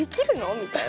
みたいな。